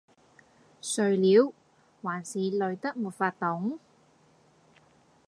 睡了？還是累得沒法動？